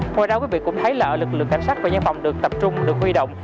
qua đó quý vị cũng thấy là lực lượng cảnh sát và nhân phòng được tập trung được huy động